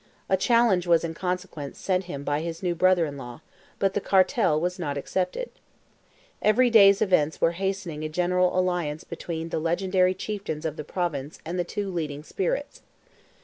A challenge was in consequence sent him by his new brother in law, but the cartel was not accepted. Every day's events were hastening a general alliance between the secondary chieftains of the Province and the two leading spirits.